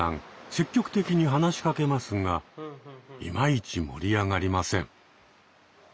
積極的に話しかけますがいまいち盛り上がりません。